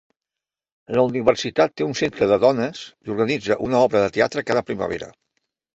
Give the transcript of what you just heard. La universitat té un centre de dones i organitza una obra de teatre cada primavera.